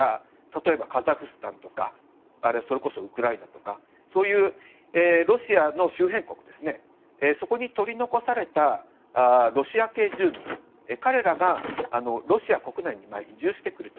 例えばカザフスタンとかそれこそウクライナとかそういうロシアの周辺国に取り残されたロシア系住民らがロシア国内に移住してくる。